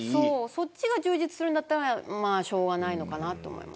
そっちが充実するんだったらしょうがないのかなと思います。